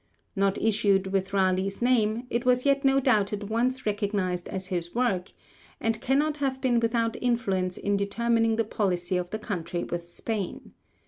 Not issued with Raleigh's name, it was yet no doubt at once recognised as his work, and it cannot have been without influence in determining the policy of the country with Spain.